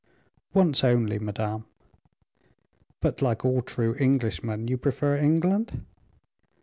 "Once only, madame." "But, like all true Englishmen, you prefer England?"